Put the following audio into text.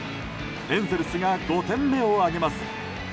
エンゼルスが５点目を挙げます。